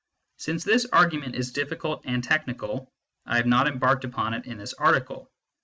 Since this argument is diffi cult and technical, I have not embarked upon it in this article.